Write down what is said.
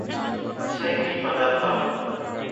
ସେ କି ପଦାର୍ଥ?